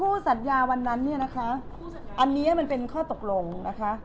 สัญญาวันนั้นเนี่ยนะคะอันนี้มันเป็นข้อตกลงนะคะ